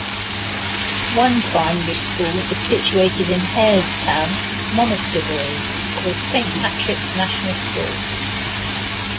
One primary school is situated in Harestown, Monasterboice called Saint Patrick's National School.